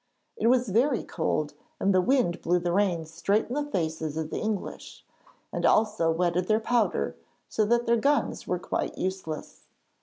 It was very cold and the wind blew the rain straight in the faces of the English, and also wetted their powder, so that their guns were quite useless.